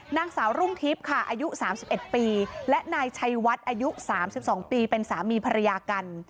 นางสาวรุ่งทิพย์ค่ะอายุ๓๑ปีและนายชัยวัดอายุ๓๒ปีเป็นสามีภรรยากัน